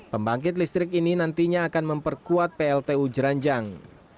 pembangkit listrik ini nantinya akan memperkuat pltu jeranjang